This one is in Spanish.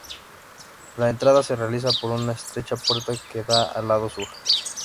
La entrada se realiza por una estrecha puerta que da al lado sur.